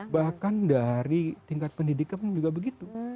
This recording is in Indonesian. bahkan dari tingkat pendidikan pun juga begitu